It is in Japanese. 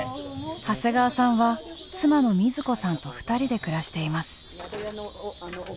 長谷川さんは妻の瑞子さんと２人で暮らしています。